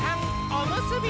おむすび！